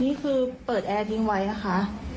นี่คือเปิดแอร์ทิ้งไว้นะคะ